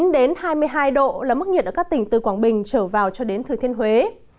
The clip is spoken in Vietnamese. một mươi chín đến hai mươi hai độ là mức nhiệt ở các tỉnh từ quảng bình trở vào cho đến thừa thiên huế